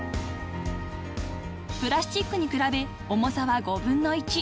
［プラスチックに比べ重さは５分の１］